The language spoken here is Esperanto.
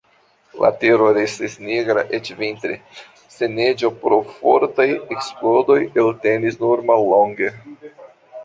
La tero restis nigra, eĉ vintre, se neĝo pro fortaj eksplodoj eltenis nur mallonge.